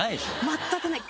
全くない！